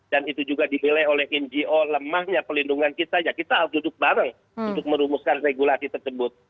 dan itu juga dibelai oleh ngo lemahnya pelindungan kita ya kita harus duduk bareng untuk merumuskan regulasi tersebut